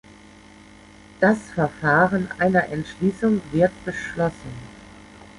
Das Verfahren einer Entschließung wird beschlossen.